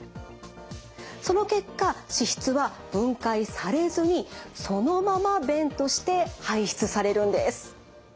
その結果脂質は分解されずにそのまま便として排出されるんです。